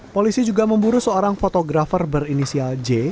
polisi juga memburu seorang fotografer berinisial j